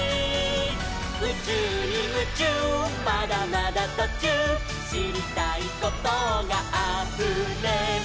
「うちゅうにムチューまだまだとちゅう」「しりたいことがあふれる」